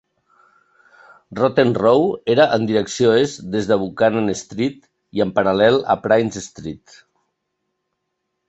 Rotten Row era en direcció est des de Buchanan Street i en paral·lel a Prince's Street.